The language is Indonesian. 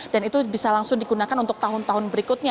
dan itu bisa langsung digunakan untuk tahun tahun berikutnya